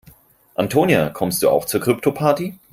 Antonia, kommst du auch zur Kryptoparty?